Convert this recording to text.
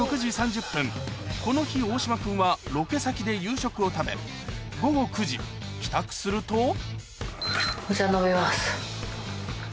この日大島君はロケ先で夕食を食べ午後９時帰宅するとお茶飲みます。